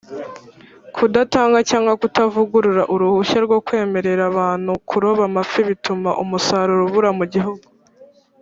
Kudatanga cyangwa kutavugurura uruhushya ryo kwemerera abantu kuroba amafi bituma umusaruro ubura mu gihugu